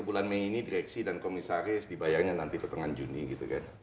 bulan mei ini direksi dan komisaris dibayarnya nanti pertengahan juni gitu kan